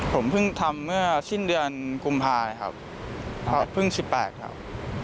ผมเพิ่งทำเมื่อสิ้นเดือนกุมภานะครับเพิ่ง๑๘ครับ